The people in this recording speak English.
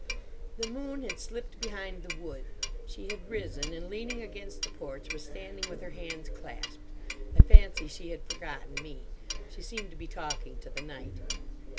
The moon had slipped behind the wood. She had risen, and, leaning against the porch, was standing with her hands clasped. I fancy she had forgotten me. She seemed to be talking to the night.